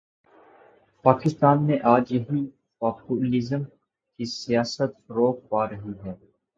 پاکستان میں آج یہی پاپولزم کی سیاست فروغ پا رہی ہے۔